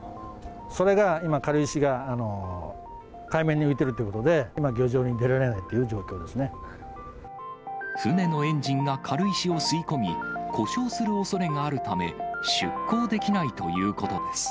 それが今、軽石が海面に浮いているということで、今、漁場に出られないとい船のエンジンが軽石を吸い込み、故障するおそれがあるため、出港できないということです。